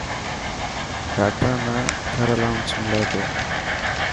ڊاڪٽران نا ٿر الاونس ملي تو.